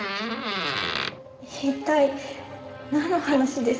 一体なんの話ですか？